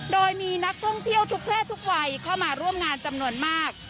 โดยมีนักท่องเที่ยวทุกเพศทุกวัยเข้ามาร่วมงานจำนวนมาก